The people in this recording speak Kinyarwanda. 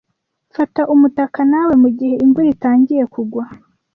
Fata umutaka nawe mugihe imvura itangiye kugwa.